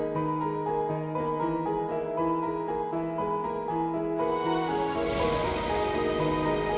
l carwyn menawarkan lepas hai matahari ini berhari hari untuk kamu